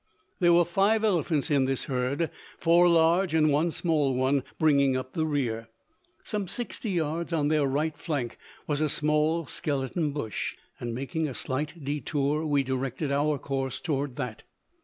There were five elephants in this herd four large, and one small one, bringing up the rear. Some 60 yards on their right flank was a small skeleton bush, and, making a slight detour, we directed our course toward that.